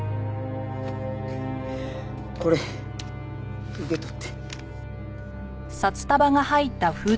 これ受け取って。